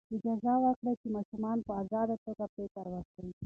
اجازه ورکړئ چې ماشومان په ازاده توګه فکر وکړي.